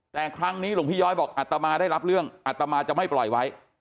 แต่ครั้งนี้หลวงพี่ย้อยบอกอัตมาได้รับเรื่องอัตมาจะไม่ปล่อยไว้